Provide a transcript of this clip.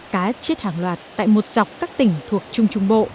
cá chết hàng loạt tại một dọc các tỉnh thuộc trung trung bộ